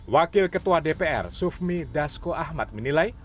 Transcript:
wakil ketua dpr sufmi dasko ahmad menilai